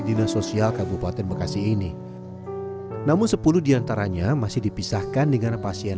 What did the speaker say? dinas sosial kabupaten bekasi ini namun sepuluh diantaranya masih dipisahkan dengan pasien